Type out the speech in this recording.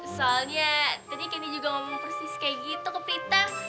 soalnya tadi kenny juga ngomong persis kayak gitu ke prita